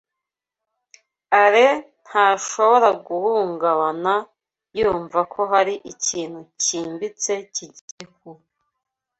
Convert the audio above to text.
Alain ntashobora guhungabana yumva ko hari ikintu cyimbitse kigiye kuba.